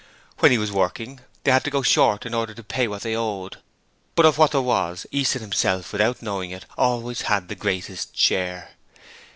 When he was working they had to go short in order to pay what they owed; but of what there was Easton himself, without knowing it, always had the greater share.